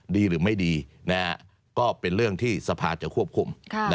ดีหรือไม่ดีก็เป็นเรื่องที่สภาจะควบคุม